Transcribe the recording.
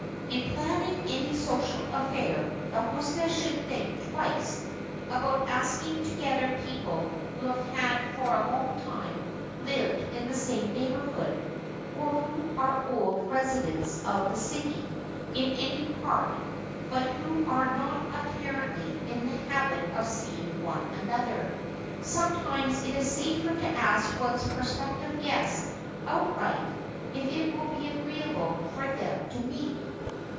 In planning any social affair the hostess should think twice about asking together people who have for a long time lived in the same neighborhood or who are old residents of the city in any part but who are not apparently in the habit of seeing one another. Sometimes it is safer to ask one's prospective guests outright if it will be agreeable for them to meet.